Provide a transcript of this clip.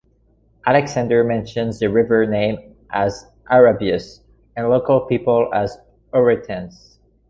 Alexander mentions the river name as Arabius, and local people as Oreitans.